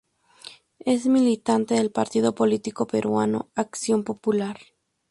Es militante del partido político peruano Acción Popular.